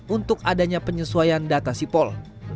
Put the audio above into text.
untuk adanya penyesuaian data sipol